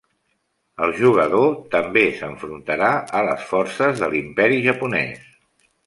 El jugador també s'enfrontarà a les forces de l'imperi japonès.